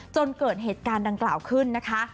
จนเกิดเหตุการณ์ดังกล่าวขึ้นนะคะ